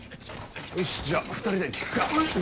よしじゃあ２人で聞くか！